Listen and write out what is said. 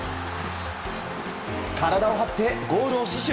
体を張ってゴールを死守。